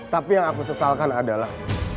tapi yang aku sesalkan adalah